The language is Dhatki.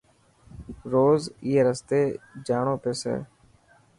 روز اي رستي ڄاڻو پيسي.